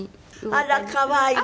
あら可愛い。